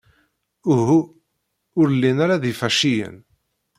Uhu, ur llin ara d ifaciyen.